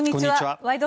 「ワイド！